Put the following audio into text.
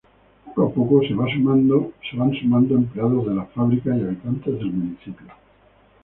Poco a poco se van sumando empleados de la fábrica, y habitantes del municipio.